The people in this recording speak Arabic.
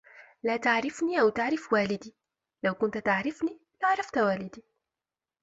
لا تعرفني أو تعرف والدي، لو كنت تعرفني لعرفت والدي.